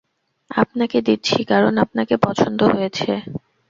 আপনাকে দিচ্ছি, কারণ আপনাকে পছন্দ হয়েছে।